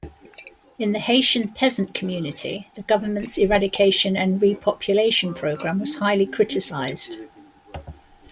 In the Haitian peasant community, the government's eradication and repopulation program was highly criticized.